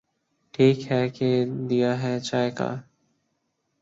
ٹھیک ہے کہ دیا ہے چائے کا۔۔۔